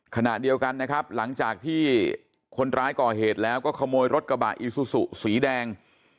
ขณะเดียวกันนะครับหลังจากที่คนร้ายก่อเหตุแล้วก็ขโมยรถกระบะอีซูซูสีแดง